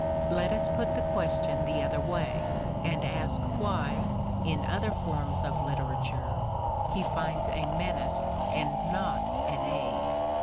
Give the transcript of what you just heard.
Let us put the question the other way and ask why, in other forms of literature, he finds a menace and not an aid?